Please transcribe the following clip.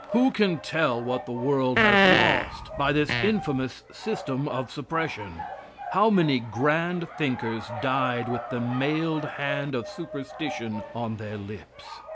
Who can tell what the world has lost by this infamous system of suppression? How many grand thinkers died with the mailed hand of superstition on their lips?